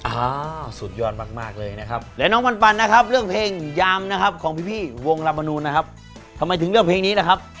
อ่าสุดยอดมากมากเลยนะครับและน้องปันนะครับเรื่องเพลงยามนะครับของพี่วงลามนูนนะครับทำไมถึงเลือกเพลงนี้ล่ะครับ